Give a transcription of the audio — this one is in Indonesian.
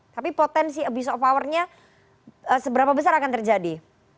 tapi potensi abuse of powernya seberapa besar akan terjadi